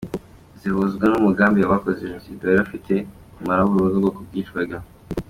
Zihuzwa n’umugambi abakoze izi Jenoside bari bafite:- Kumaraho burundu ubwoko bwicwaga.